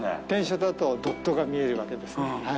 転写だとドットが見えるわけですね。